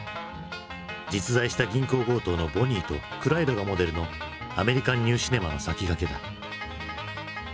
実在した銀行強盗のボニーとクライドがモデルのアメリカン・ニューシネマの先駆けだ。